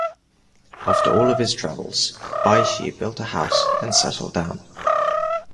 After all of his travels, Baishi built a house and settled down.